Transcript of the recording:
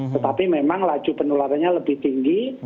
tetapi memang laju penularannya lebih tinggi